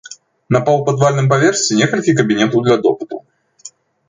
На паўпадвальным паверсе некалькі кабінетаў для допытаў.